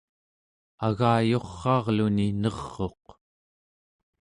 agayurraarluni ner'uq